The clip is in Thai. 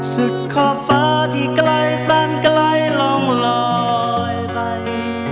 ขอบฟ้าที่ไกลสั้นไกลลองลอยไป